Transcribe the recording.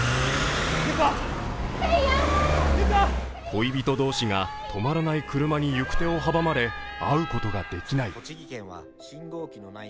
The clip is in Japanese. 恋人同士が止まらない車に行く手を阻まれ会うことができない。